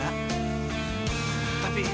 tapi tapi kenapa kamu bisa ada di sini